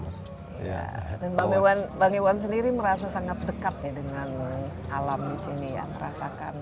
dan bang iwan sendiri merasa sangat dekat ya dengan alam di sini ya merasakan